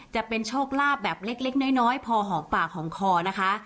จะเป็นโชคลาภแบบเล็กน้อยพอหอมปากหอมคอนะคะ